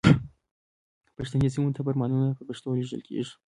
پښتني سیمو ته فرمانونه په پښتو لیږل کیږي.